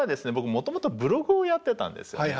もともとブログをやってたんですよね。